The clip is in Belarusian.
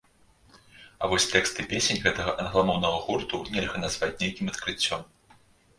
А вось тэксты песень гэтага англамоўнага гурту нельга назваць нейкім адкрыццём.